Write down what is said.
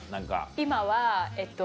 今はえっと